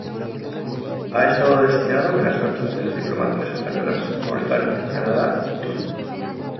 Ha estado destinado en las representaciones diplomáticas españolas en Mauritania, Canadá y Túnez.